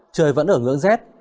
trời vẫn ở ngưỡng z